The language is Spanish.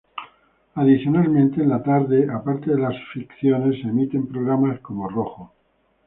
Adicionalmente, en la tarde, aparte de las ficciones se emiten programas como "Rojo".